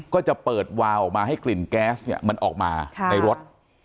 ก็จะเปิดวาวออกมาให้กลิ่นแก๊สเนี่ยมันออกมาในรถ